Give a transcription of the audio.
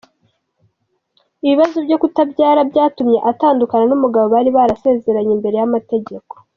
Ibibazo byo kutabyara byatumye atandukana n’umugabo bari barasezeranye imbere y’amategeko.